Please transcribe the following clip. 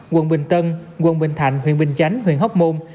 quận bình tân quận bình thạnh huyện bình chánh huyện hóc môn